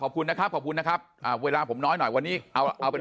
ขอบคุณนะครับขอบคุณนะครับอ่าเวลาผมน้อยหน่อยวันนี้เอาเอาเป็น